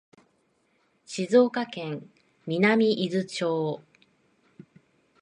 静岡県南伊豆町